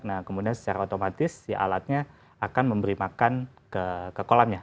nah kemudian secara otomatis si alatnya akan memberi makan ke kolamnya